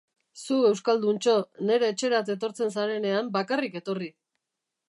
Zu Euskalduntxo, nere etxerat etortzen zarenean bakarrik etorri!